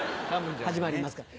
始まりますから。